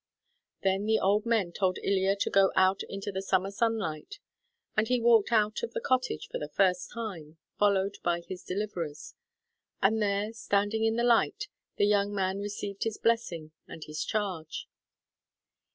Then the old men told Ilya to go out into the summer sunlight, and he walked out of the cottage for the first time, followed by his deliverers; and there, standing in the light, the young man received his blessing and his charge.